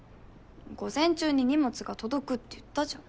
午前中に荷物が届くって言ったじゃん。